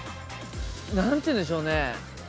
何ていうんでしょうね。